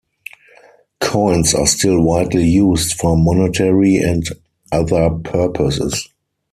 Coins are still widely used for monetary and other purposes.